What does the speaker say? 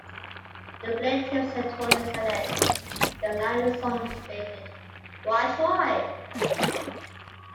The plaintiffs's attorneys alleged that a line in the song stated, Why try?